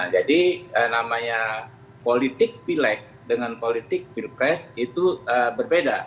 jadi namanya politik pileg dengan politik pilpres itu berbeda